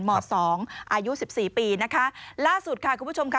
หมอสองอายุสิบสี่ปีนะคะล่าสุดค่ะคุณผู้ชมค่ะ